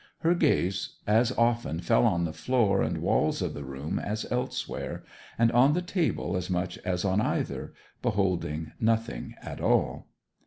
Her gaze as often fell on the floor and walls of the room as elsewhere, and on the table as much as on either, beholding nothing at all.